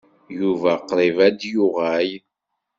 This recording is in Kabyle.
Yuba qrib ad d-yuɣal.